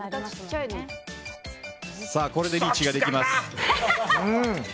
これでリーチができます。